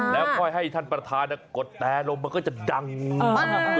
แล้วค่อยให้ท่านประธานกดแต่ลมมันก็จะดัง